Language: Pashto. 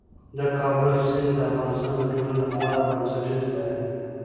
د کابل سیند د افغانستان د ټولنې لپاره بنسټيز دی.